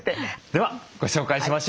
ではご紹介しましょう。